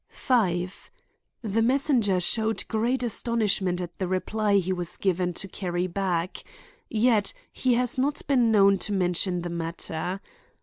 5. The messenger showed great astonishment at the reply he was given to carry back. Yet he has not been known to mention the matter.